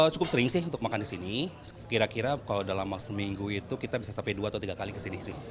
cukup sering sih untuk makan di sini kira kira kalau dalam seminggu itu kita bisa sampai dua atau tiga kali kesini sih